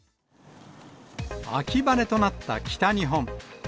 秋晴れとなった北日本。